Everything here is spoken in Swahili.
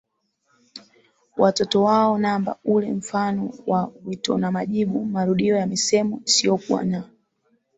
watoto wao Namba ule mfano wa witonamajibu marudio ya misemo isiyokuwa na